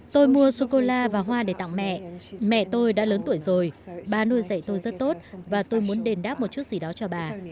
tôi mua sô cô la và hoa để tặng mẹ mẹ tôi đã lớn tuổi rồi bà nuôi dạy tôi rất tốt và tôi muốn đền đáp một chút gì đó cho bà